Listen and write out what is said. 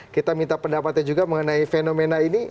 kita minta pendapatnya juga mengenai fenomena ini